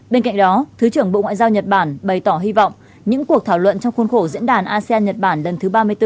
bên cạnh đó thứ trưởng bộ ngoại giao nhật bản bày tỏ hy vọng những cuộc thảo luận trong khuôn khổ diễn đàn asean nhật bản lần thứ ba mươi bốn